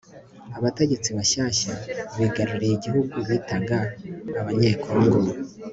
abategetsi bashyashya bigaruriye igihugu bitaga abanyekongo